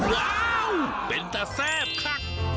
ว้าวเป็นแต่แซ่บค่ะ